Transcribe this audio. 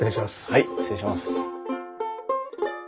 はい失礼します。